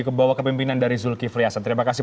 kebawah kepimpinan dari zulkifli hasan terima kasih